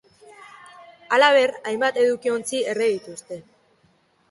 Halaber, hainbat edukiontzi erre dituzte.